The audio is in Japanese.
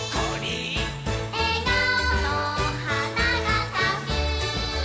「えがおのはながさく」